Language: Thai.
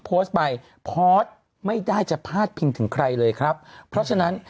โพสต์ไปพอสไม่ได้จะพาดพิงถึงใครเลยครับเพราะฉะนั้น